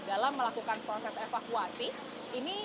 dan yang terdapat di atas